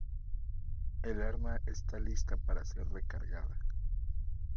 El arma está lista para ser recargada.